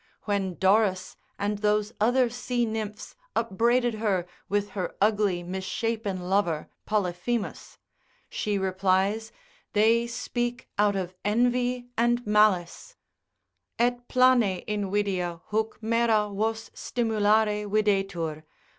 When Doris and those other sea nymphs upbraided her with her ugly misshapen lover, Polyphemus; she replies, they speak out of envy and malice, Et plane invidia huc mera vos stimulare videtur.